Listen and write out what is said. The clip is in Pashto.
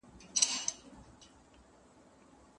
تا راته نه ويل چې نه کوم ضديت شېرينې